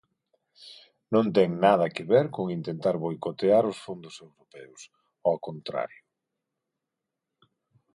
Non ten nada que ver con intentar boicotear os fondos europeos, ao contrario.